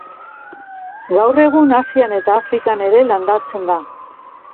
Gaur egun Asian eta Afrikan ere landatzen da.